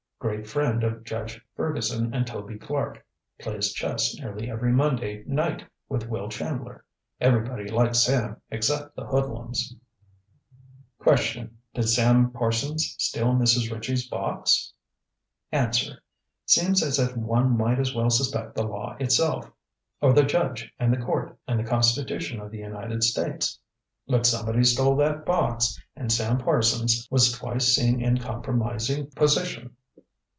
Great friend of Judge Ferguson and Toby Clark. Plays chess nearly every Monday night with Will Chandler. Everybody likes Sam except the hoodlums. "Question: Did Sam Parsons steal Mrs. Ritchie's box? "Answer: Seems as if one might as well suspect the law itself, or the judge and the court and the Constitution of the United States. But somebody stole that box and Sam Parsons was twice seen in a compromising position.